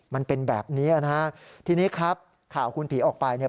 มันเป็นแบบนี้นะฮะทีนี้ครับข่าวคุณผีออกไปเนี่ย